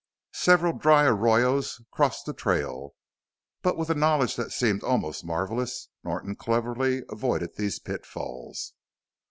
Several dry arroyos crossed the trail, but with a knowledge that seemed almost marvelous Norton cleverly avoided these pitfalls.